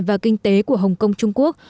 và kinh tế của hồng kông trung quốc